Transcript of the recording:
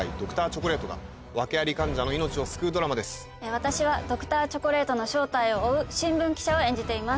私はＤｒ．チョコレートの正体を追う新聞記者を演じています。